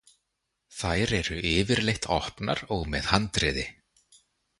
Þær eru yfirleitt opnar og með handriði.